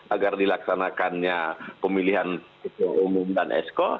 agar dilaksanakannya pemilihan ketua umum dan esko